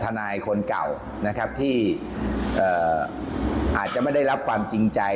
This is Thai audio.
นายคนเก่านะครับที่อาจจะไม่ได้รับความจริงใจ